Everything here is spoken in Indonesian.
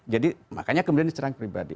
jadi makanya kemudian diserang pribadi